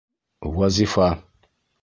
Вазифа!